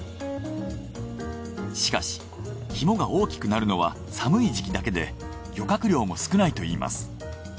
しかしキモが大きくなるのは寒い時期だけで漁獲量も少ないといいます。